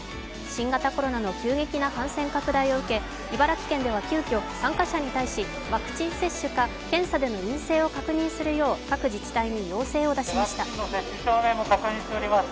新型コロナの急激な感染拡大を受け、茨城県では急きょ、参加者に対しワクチン接種か検査での陰性を確認するよう各自治体に要請を出しました。